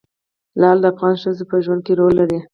لعل د افغان ښځو په ژوند کې رول لري.